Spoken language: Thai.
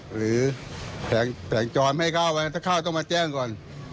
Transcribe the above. หรือแสงจรไม่ให้เข้าไปถ้าเข้าต้องมาแจ้งก่อน